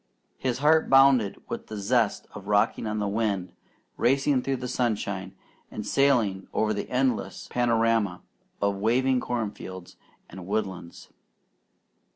His heart bounded with the zest of rocking on the wind, racing through the sunshine, and sailing over the endless panorama of waving corn fields, and woodlands.